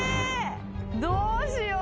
どうしよう？